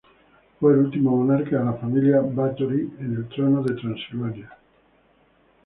Fue el último monarca de la familia Báthory en el trono de Transilvania.